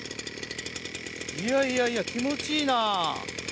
いやいやいや気持ちいいな。